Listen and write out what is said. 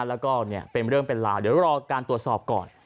แล้วก็เป็นเรื่องเป็นราวเดี๋ยวรอการตรวจสอบก่อน